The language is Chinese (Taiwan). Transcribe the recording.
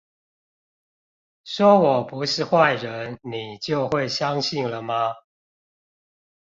說我不是壞人你就會相信了嗎？